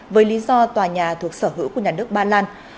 với lý do tòa nhà thuộc sở hữu của nhà nước ba lan